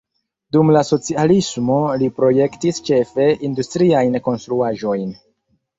Dum la socialismo li projektis ĉefe industriajn konstruaĵojn.